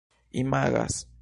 imagas